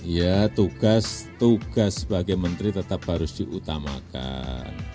ya tugas tugas sebagai menteri tetap harus diutamakan